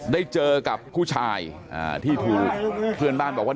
ได้เจอกับผู้ชายที่ถูกเพื่อนบ้านบอกว่า